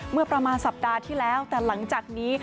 เมื่อประมาณสัปดาห์ที่แล้วแต่หลังจากนี้